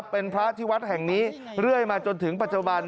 เป็นพระที่วัดแห่งนี้เรื่อยมาจนถึงปัจจุบัน